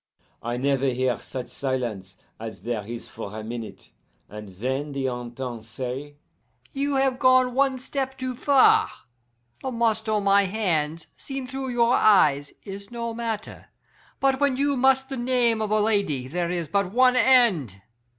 "I never hear such silence as there is for a minute, and then the Intendant say, 'You have gone one step too far. The must on my hands, seen through your eyes, is no matter, but when you must the name of a lady there is but one end.